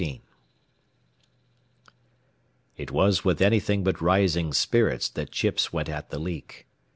XIV It was with anything but rising spirits that Chips went at the leak.